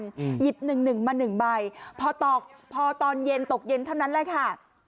หยิบหนึ่งหนึ่งมาหนึ่งใบพอตอกพอตอนเย็นตกเย็นเท่านั้นแหละค่ะ